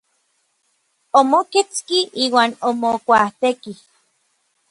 Omoketski iuan omokuaatekij.